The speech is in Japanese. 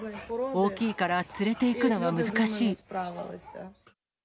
大きいから連れていくのが難しい。